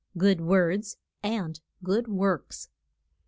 GOOD WORDS AND GOOD WORKS.